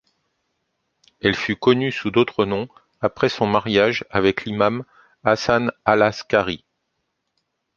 Elle fut connue sous d’autres noms après son mariage avec l’Imâm Hasan al-Askari.